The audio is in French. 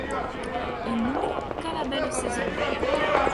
Ils n'ouvrent qu'à la belle saison.